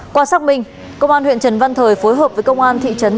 qua xác minh công an huyện trần văn thời phối hợp với công an thị trấn